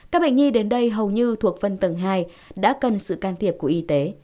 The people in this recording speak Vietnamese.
các bệnh nhi đến đây hầu như thuộc phân tầng hai đã cần sự can thiệp của y tế